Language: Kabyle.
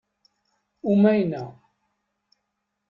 Umayna.